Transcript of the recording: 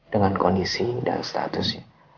dengan kondisi dan status